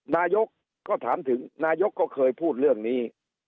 นายกก็ถามถึงนายกก็เคยพูดเรื่องนี้